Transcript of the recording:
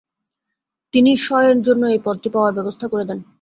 তিনি শয়ের জন্য এই পদটি পাওয়ার ব্যবস্থা করে দেন।